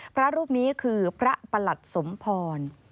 พระรูปนี้คือพระประหลัดสมพร